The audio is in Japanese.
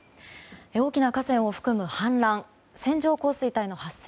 大きな河川を含む氾濫線状降水帯の発生